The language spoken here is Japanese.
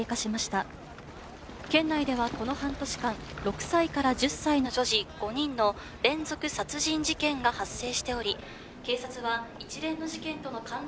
「県内ではこの半年間６歳から１０歳の女児５人の連続殺人事件が発生しており警察は一連の事件との関連を調べるとともに」